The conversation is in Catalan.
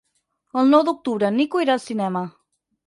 El nou d'octubre en Nico irà al cinema.